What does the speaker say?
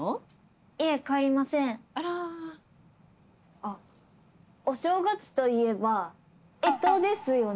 あお正月といえば干支ですよね。